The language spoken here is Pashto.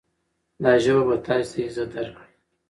دا ژبه به تاسې ته عزت درکړي.